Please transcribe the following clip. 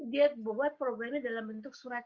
dia buat programnya dalam bentuk surat